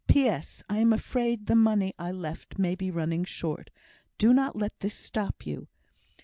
P.S. I am afraid the money I left may be running short. Do not let this stop you.